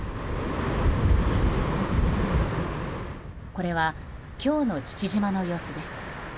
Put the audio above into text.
これは今日の父島の様子です。